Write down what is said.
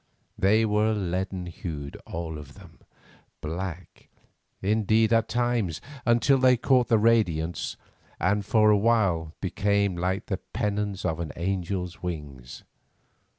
They were leaden hued, all of them, black, indeed, at times, until they caught the radiance, and for a while became like the pennons of an angel's wings.